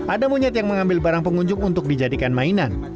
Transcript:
ada monyet yang mengambil barang pengunjung untuk dijadikan mainan